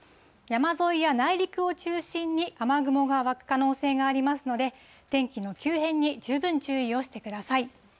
山沿いや内陸を中心に、雨雲が湧く可能性がありますので、天気の急変に十分注意をしてください。